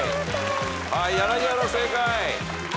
はい柳原正解。